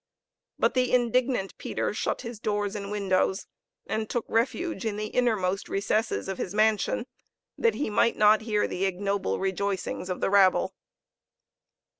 But the indignant Peter shut his doors and windows, and took refuge in the innermost recesses of his mansion, that he might not hear the ignoble rejoicings of the rabble.